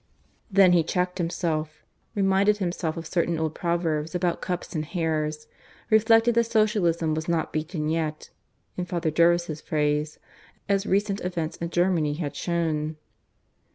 Then he checked himself, reminded himself of certain old proverbs about cups and hares, reflected that Socialism was not beaten yet (in Father Jervis's phrase), as recent events in Germany had shown.